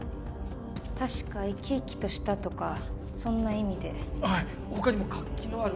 確か「生き生きとした」とかそんな意味ではい他にも「活気のある」